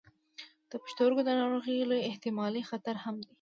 د پښتورګو د ناروغیو لوی احتمالي خطر هم دی.